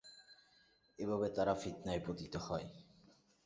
এভাবে তারা ফিতনায় পতিত হয়।